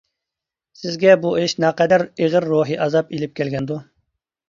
سىزگە بۇ ئىش نەقەدەر ئېغىر روھىي ئازاب ئېلىپ كەلگەندۇ.